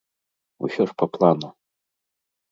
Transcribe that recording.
Усё ж па плану.